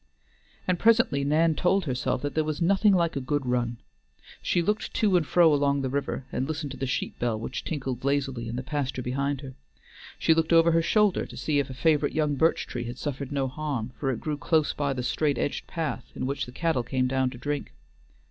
And presently Nan told herself that there was nothing like a good run. She looked to and fro along the river, and listened to the sheep bell which tinkled lazily in the pasture behind her. She looked over her shoulder to see if a favorite young birch tree had suffered no harm, for it grew close by the straight edged path in which the cattle came down to drink.